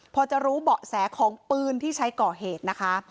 พอจะรู้เบาะแสของปืนที่ใช้ก่อเหตุนะคะ